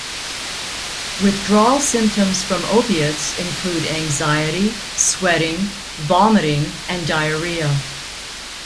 Withdrawal symptoms from opiates include anxiety, sweating, vomiting, and diarrhea.